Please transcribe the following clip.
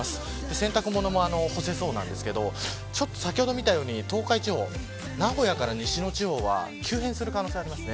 洗濯物も干せそうなんですが先ほど見たように、東海地方名古屋から西の地方は急変する可能性があります。